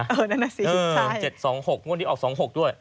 เออนั่นแหละสิใช่เออเจ็ดสองหกวันนี้ออกสองหกด้วย